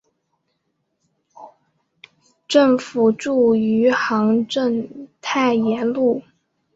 政府驻余杭镇太炎路。